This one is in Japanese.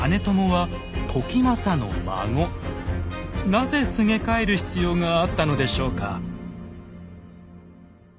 なぜすげ替える必要があったのでしょうか。